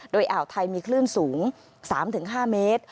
โดยอ่าวไทยมีคลื่นสูง๓๕เมตร